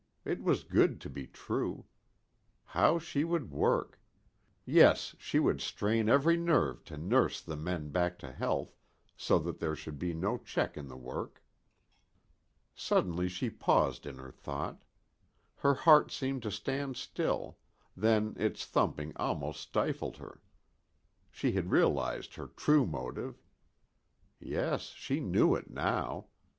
It was too good to be true. How she would work. Yes, she would strain every nerve to nurse the men back to health, so that there should be no check in the work. Suddenly she paused in her thought. Her heart seemed to stand still, then its thumping almost stifled her. She had realized her true motive. Yes, she knew it now.